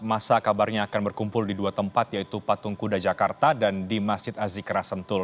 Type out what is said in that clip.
masa kabarnya akan berkumpul di dua tempat yaitu patung kuda jakarta dan di masjid azikra sentul